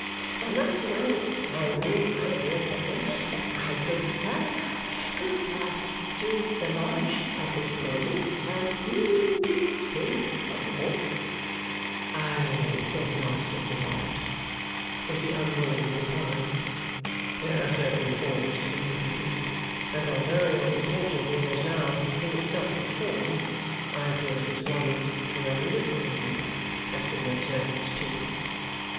Am I to understand, my dear sir, that I could ha could pass through the Lodge at this moment, and hum take a walk?' 'I think not, Mr Dorrit,' was the unwilling reply. 'There are certain forms to be completed; and although your detention here is now in itself a form, I fear it is one that for a little longer has to be observed too.